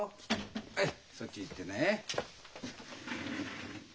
はいそっち行ってね。